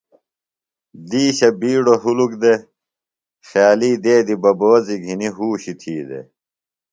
دیشہ بیڈو ہُلُک دے۔ خیالی دیدی ببوزیۡ گِھنی ہوشیۡ تھی دے۔